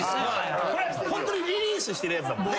これはホントにリリースしてるやつだもんね。